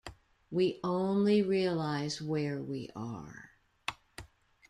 We only realise where we are.